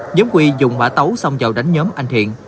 nhóm huy dùng bả tấu xong vào đánh nhóm anh thiện